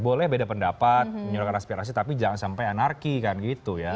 boleh beda pendapat menyuruhkan aspirasi tapi jangan sampai anarki kan gitu ya